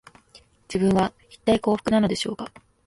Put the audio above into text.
自分は、いったい幸福なのでしょうか